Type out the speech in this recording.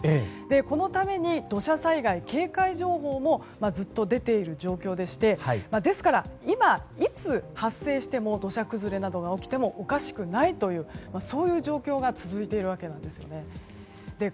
このために土砂災害警戒情報もずっと出ている状況でしてですから今、いつ土砂崩れなどが起きてもおかしくないというそういう状況が続いているわけなんですね。